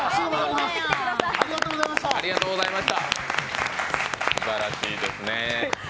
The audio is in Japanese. すばらしいですね。